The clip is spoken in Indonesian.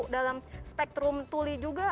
dalam spektrum tuli juga